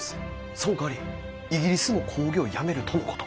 そんかわりイギリスも抗議をやめるとのこと。